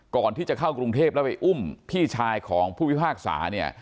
ก่อนที่จะเข้ากรุงเทพฯแล้วอุ้มพี่ชายของผู้วิภาษา